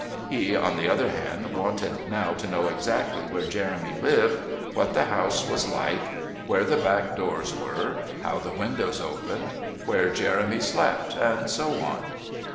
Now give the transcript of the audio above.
He, on the other hand, wanted now to know exactly where Jeremy lived, what the house was like, where the back doors were, how the windows opened, where Jeremy slept, and so on.